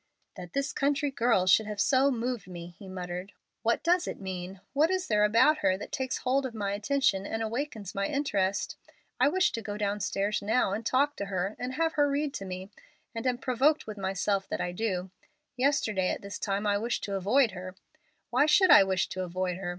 "That this country girl should have so moved me!" he muttered. "What does it mean? What is there about her that takes hold of my attention and awakens my interest? I wish to go downstairs now, and talk to her, and have her read to me, and am provoked with myself that I do. Yesterday at this time I wished to avoid her. "Why should I wish to avoid her?